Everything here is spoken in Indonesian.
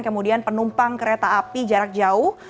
kemudian penumpang kereta api jarak jauh